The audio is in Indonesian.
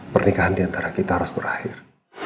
pernikahan diantara kita harus berakhir